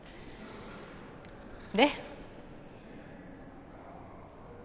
で？